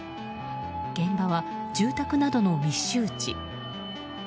現場は住宅などの密集地。